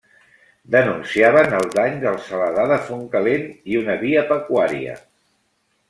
Denunciaven el dany del Saladar de Fontcalent i una via pecuària.